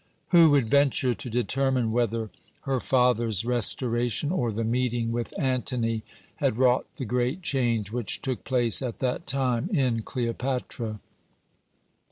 "Who would venture to determine whether her father's restoration, or the meeting with Antony, had wrought the great change which took place at that time in Cleopatra?